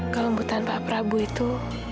kelembutan pak prabu itu